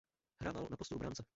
Hrával na postu obránce.